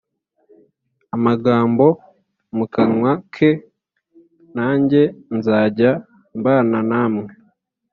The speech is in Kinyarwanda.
Amagambo mu kanwa ke nanjye nzajya mbana namwe